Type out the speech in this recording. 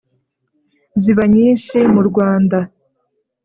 Ziba nyinshi mu Rwanda,